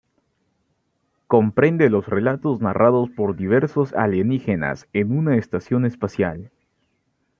Comprende los relatos narrados por diversos alienígenas en una estación espacial.